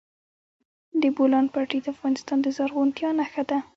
د بولان پټي د افغانستان د زرغونتیا نښه ده.